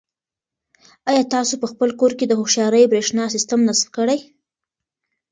آیا تاسو په خپل کور کې د هوښیارې برېښنا سیسټم نصب کړی؟